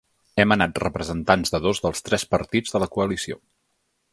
Hem anat representants de dos dels tres partits de la coalició.